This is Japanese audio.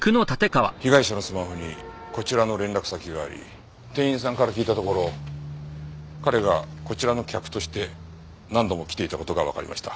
被害者のスマホにこちらの連絡先があり店員さんから聞いたところ彼がこちらの客として何度も来ていた事がわかりました。